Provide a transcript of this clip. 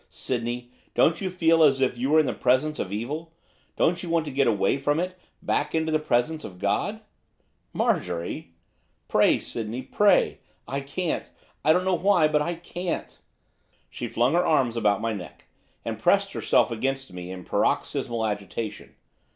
Sydney, don't you feel as if you were in the presence of evil? Don't you want to get away from it, back into the presence of God?' 'Marjorie!' 'Pray, Sydney, pray! I can't! I don't know why, but I can't!' She flung her arms about my neck, and pressed herself against me in paroxysmal agitation.